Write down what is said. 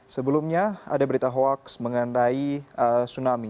sebelumnya ada berita hoaks mengenai tsunami